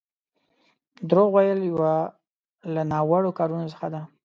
دروغ ويل يو له ناوړو کارونو څخه دی.